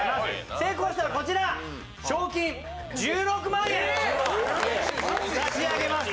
成功したらこちら、賞金１６万円差し上げます。